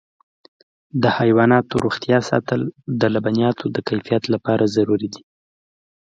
د حیواناتو روغتیا ساتل د لبنیاتو د کیفیت لپاره ضروري دي.